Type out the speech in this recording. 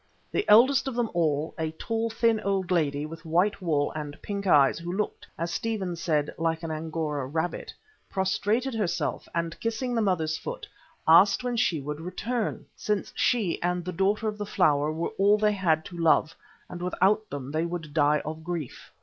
The eldest of them all, a tall, thin old lady with white wool and pink eyes who looked, as Stephen said, like an Angora rabbit, prostrated herself and kissing the Mother's foot, asked when she would return, since she and the "Daughter of the Flower" were all they had to love, and without them they would die of grief.